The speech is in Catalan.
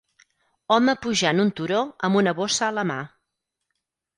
home pujant un turó amb una bossa a la mà